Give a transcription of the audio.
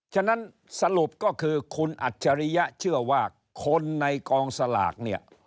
ฉะนั้นสรุปก็คือคุณอัจฉริยะเชื่อว่าคนในกองสลากเนี่ย